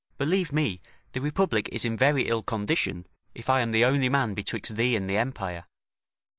Believe me, the Republic is in very ill condition, if I am the only man betwixt thee and the empire.